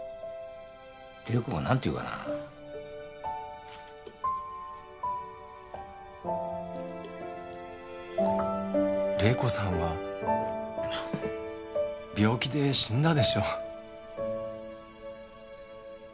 麗子が何て言うかな麗子さんは病気で死んだでしょ？